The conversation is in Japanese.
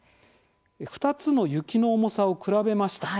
２つの雪の重さを比べました。